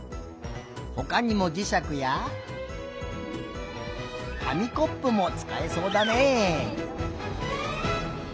ほかにもじしゃくや紙コップもつかえそうだねえ。